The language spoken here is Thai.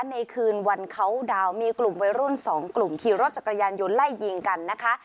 ในคืนวันเขาดาวน์มีกลุ่มวัยรุ่นสองกลุ่มขี่รถจักรยานยนต์ไล่ยิงกันนะคะ